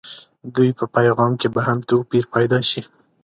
دوی په پیغام کې به هم توپير پيدا شي.